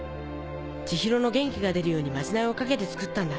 千尋の元気が出るようにまじないをかけて作ったんだ。